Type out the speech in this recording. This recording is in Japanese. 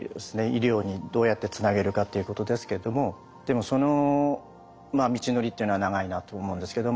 医療にどうやってつなげるかっていうことですけどもでもその道のりっていうのは長いなと思うんですけど。